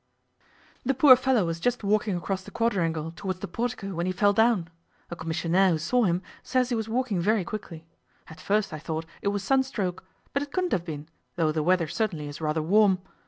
The poor fellow was just walking across the quadrangle towards the portico when he fell down. A commissionaire who saw him says he was walking very quickly. At first I thought it was sunstroke, but it couldn't have been, though the weather certainly is rather warm.